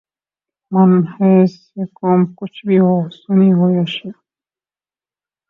من حیثء قوم کچھ بھی ہو، سنی ہو یا شعیہ